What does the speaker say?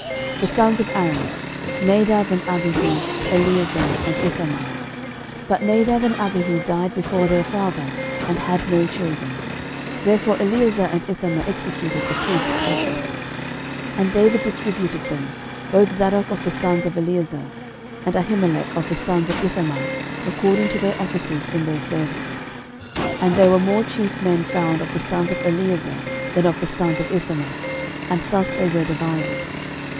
The sons of Aaron; Nadab, and Abihu, Eleazar, and Ithamar. 13:024:002 But Nadab and Abihu died before their father, and had no children: therefore Eleazar and Ithamar executed the priest's office. 13:024:003 And David distributed them, both Zadok of the sons of Eleazar, and Ahimelech of the sons of Ithamar, according to their offices in their service. 13:024:004 And there were more chief men found of the sons of Eleazar than of the sons of Ithamar, and thus were they divided.